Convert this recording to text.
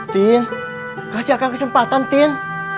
tin kasih akan kesempatan tin